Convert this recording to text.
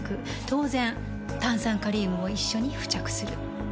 当然炭酸カリウムも一緒に付着する。